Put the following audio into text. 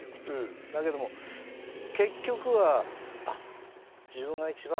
だけども結局はあっ自分が一番動きやすい。